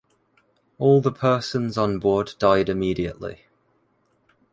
All the persons on board died immediately.